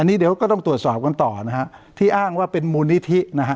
อันนี้เดี๋ยวก็ต้องตรวจสอบกันต่อนะฮะที่อ้างว่าเป็นมูลนิธินะฮะ